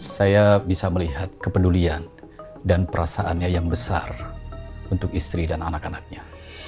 saya bisa melihat kepedulian dan perasaannya yang besar untuk istri dan anak anaknya